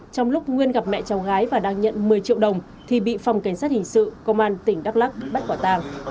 trong lúc nguyên gặp mẹ cháu gái và đang nhận một mươi triệu đồng thì bị phòng cảnh sát hình sự công an tỉnh đắk lắc bắt quả tàng